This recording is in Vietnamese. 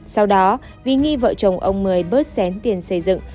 sau đó vì nghi vợ chồng ông mười bớt xén tiền xây dựng